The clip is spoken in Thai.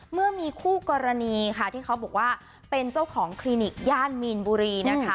เมื่อมีคู่กรณีค่ะที่เขาบอกว่าเป็นเจ้าของคลินิกย่านมีนบุรีนะคะ